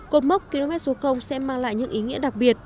cột mốc km số sẽ mang lại những ý nghĩa đặc biệt